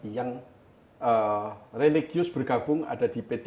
yang religius bergabung ada di p tiga